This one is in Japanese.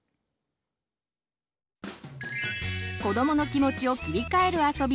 子どもの気持ちを切り替えるあそび